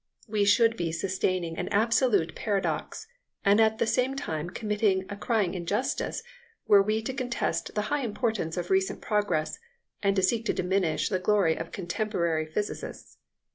We should be sustaining an absolute paradox, and at the same time committing a crying injustice, were we to contest the high importance of recent progress, and to seek to diminish the glory of contemporary physicists.